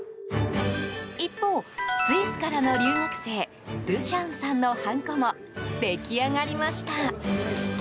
一方、スイスからの留学生ドゥシャンさんのハンコも出来上がりました。